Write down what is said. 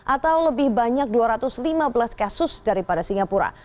atau lebih banyak dua ratus lima belas kasus daripada singapura